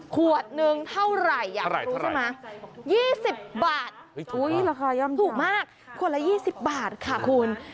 ขวดหนึ่งเท่าไหร่อยากรู้ใช่ไหม๒๐บาทราคาย่อมถูกมากขวดละ๒๐บาทค่ะคุณ